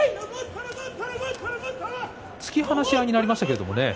突き放し合いになりましたけれどもね。